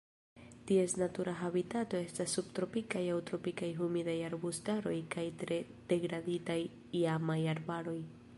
Ties natura habitato estas subtropikaj aŭ tropikaj humidaj arbustaroj kaj tre degraditaj iamaj arbaroj.